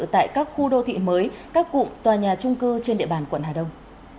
tại các khu đô thị mới các cụm tòa nhà trung cư trên địa bàn quận hà đông